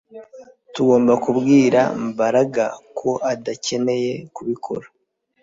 Tugomba kubwira Mbaraga ko adakeneye kubikora